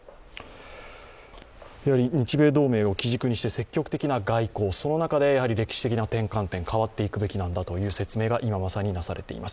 日米同盟を基軸にして積極的な外交、その中で歴史的な転換点、変わっていくべきなんだという説明が今まさになされています。